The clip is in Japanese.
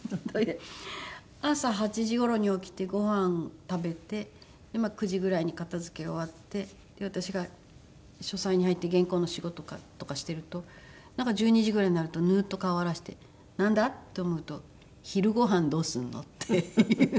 朝８時頃に起きてごはん食べて９時ぐらいに片付けが終わって私が書斎に入って原稿の仕事とかしてるとなんか１２時ぐらいになるとぬっと顔を現してなんだ？って思うと「昼ごはんどうするの？」って言う。